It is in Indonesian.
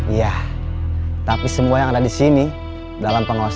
iya tapi semua yang ada disini dalam pengawasan saya